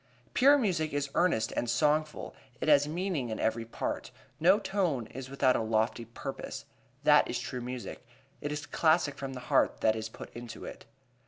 Pure music is earnest and songful. It has meaning in every part. No tone is without a lofty purpose. That is true music. It is classic from the heart that is put into it.